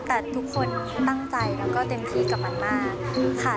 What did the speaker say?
แต่ทุกคนตั้งใจแล้วก็เต็มที่กับมันมากค่ะ